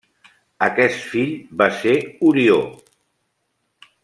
Aquest fill va ser Orió.